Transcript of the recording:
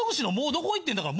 どこいってんだから。